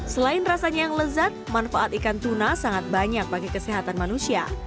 selain rasanya yang lezat manfaat ikan tuna sangat banyak bagi kesehatan manusia